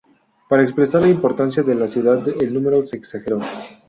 Para expresar la importancia de la ciudad el número se exageró.